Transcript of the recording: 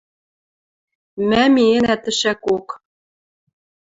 Мӓ миэнӓ тӹшӓкок.